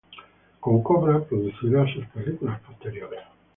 Con Cobra producirá sus películas posteriores.